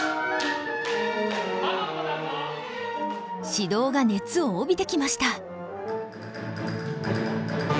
指導が熱を帯びてきました。